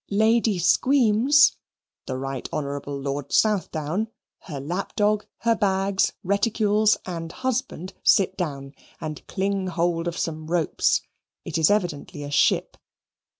Lady Squeams (the Right Honourable Lord Southdown), her lap dog, her bags, reticules, and husband sit down, and cling hold of some ropes. It is evidently a ship.